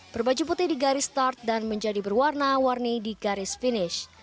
berbaju putih di garis start dan menjadi berwarna warni di garis finish